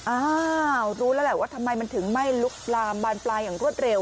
อ้าวรู้แล้วแหละว่าทำไมมันถึงไม่ลุกลามบานปลายอย่างรวดเร็ว